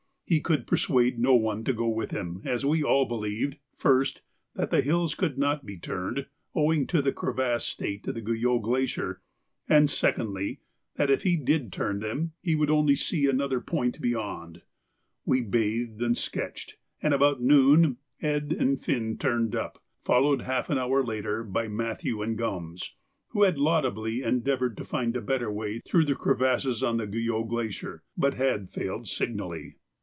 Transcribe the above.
He could persuade no one to go with him as we all believed, first, that the hills could not be turned, owing to the crevassed state of the Guyot Glacier, and secondly, that if he did turn them he would only see another point beyond. We bathed and sketched, and at about noon Ed. and Finn turned up, followed half an hour later by Matthew and Gums, who had laudably endeavoured to find a better way through the crevasses on the Guyot Glacier, but had failed signally.